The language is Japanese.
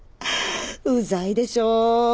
うざいでしょう。